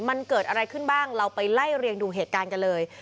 มันเกิดอะไรขึ้นบ้างเราไปไล่เรียงดูเหตุการณ์กันเลย